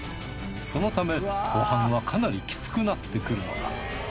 そのため後半はかなりきつくなってくるのだ。